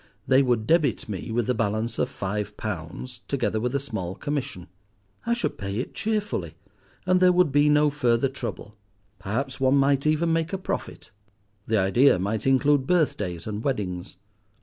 They would debit me with the balance of five pounds, together with a small commission. I should pay it cheerfully, and there would be no further trouble. Perhaps one might even make a profit. The idea might include birthdays and weddings.